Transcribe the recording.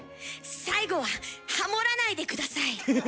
最後はハモらないで下さい。